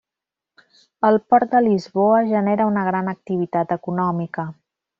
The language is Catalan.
El port de Lisboa genera una gran activitat econòmica.